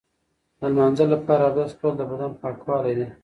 د لمانځه لپاره اودس کول د بدن پاکوالی دی.